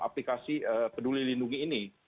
aplikasi peduli lindungi ini